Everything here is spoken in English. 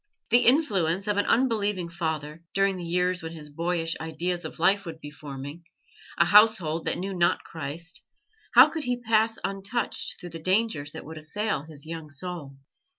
The influence of an unbelieving father, during the years when his boyish ideas of life would be forming; a household that knew not Christ how could he pass untouched through the dangers that would assail his young soul?